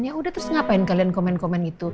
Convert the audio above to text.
yaudah terus ngapain kalian komen komen gitu